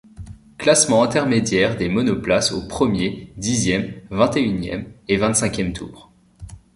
Classements intermédiaires des monoplaces aux premier, dixième, vingt-et-unième et vingt-cinquième tours.